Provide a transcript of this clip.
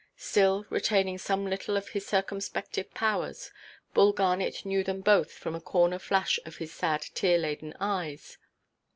Still, retaining some little of his circumspective powers, Bull Garnet knew them both from a corner flash of his sad tear–laden eyes.